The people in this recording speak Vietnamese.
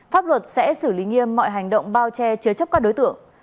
pháp luật sẽ xử lý nghiêm mọi hành động bao che chứa chấp các đối tượng